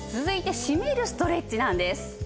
続いてしめるストレッチなんです。